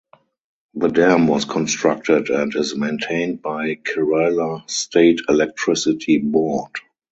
The dam was constructed and is maintained by Kerala State Electricity Board.